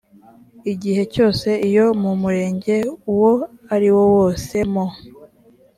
igihe cyose iyo mu murenge uwo ariwo wose mu